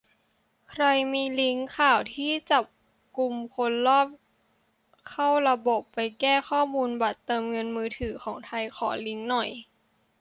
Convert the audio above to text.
ใครมีลิงก์ข่าวที่จับกุมคนลอบเข้าระบบไปแก้ข้อมูลบัตรเติมเงินมือถือ ของไทย ขอลิงก์หน่อย